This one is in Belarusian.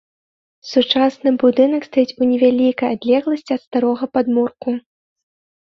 Сучасны будынак стаіць у невялікай адлегласці ад старога падмурку.